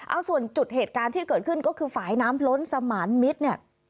เอาส่วนจุดเหตุการณ์ที่เกิดขึ้นก็คือฝ่ายน้ำล้นสมานมิตรเนี่ย